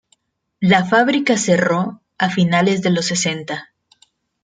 La fábrica cerró a a finales de los sesenta.